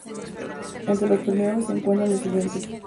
Entre los premiados se encuentran los siguientes.